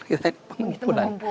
kita ini pengumpulan